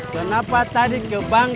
kenapa tadi ke bank